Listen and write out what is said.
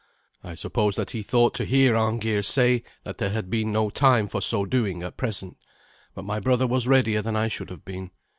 I suppose that he thought to hear Arngeir say that there had been no time for so doing at present, but my brother was readier than I should have been.